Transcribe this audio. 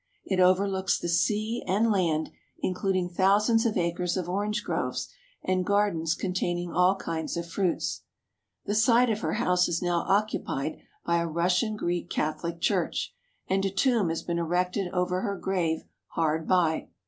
It overlooks the sea and land, including thou sands of acres of orange groves and gardens containing all kinds of fruits. The site of her house is now occupied by a Russian Greek Catholic Church and a tomb has been erected over her grave hard by.